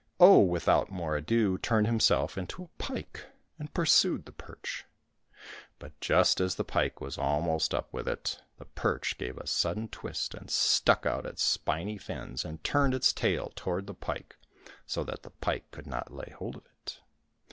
Oh, without more ado, turned himself into a pike and pursued the perch. But just as the pike was almost up with it, the perch gave a sudden twist and stuck out its spiky fins and turned its tail toward the pike, so that the pike could not lay hold of it.